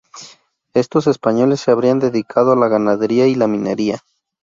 Estos españoles se habrían dedicado a la ganadería y la minería.